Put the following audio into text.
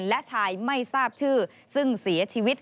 และชายไม่ทราบชื่อซึ่งเสียชีวิต